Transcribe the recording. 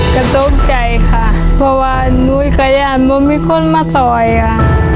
กระตุกใจค่ะเพราะว่าหนูกระยานว่าไม่คนมาซอยอ่ะ